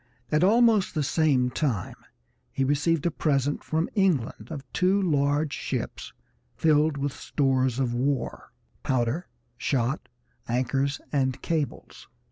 At almost the same time he received a present from England of two large ships filled with stores of war, powder, shot, anchors, and cables.